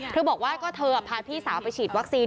บอกว่าก็เธอพาพี่สาวไปฉีดวัคซีน